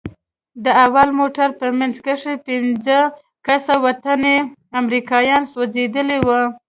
د اول موټر په منځ کښې پينځه کسه وطني امريکايان سوځېدلي وو.